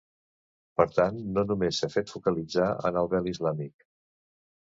Per tant, no només s’ha de focalitzar en el vel islàmic.